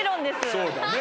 そうだね。